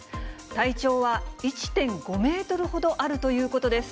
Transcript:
体長は１．５メートルほどあるということです。